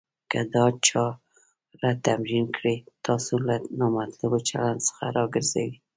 که دا چاره تمرین کړئ. تاسو له نامطلوب چلند څخه راګرځوي.